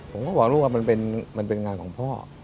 ผมก็บอกลูกว่ามันเป็นงานของพ่อ